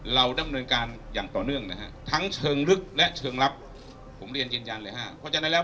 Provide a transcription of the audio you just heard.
เราดำเนินการอย่างต่อเนื่องทั้งเชิงลึกและเชิงลับผมเรียนยรยาณครับ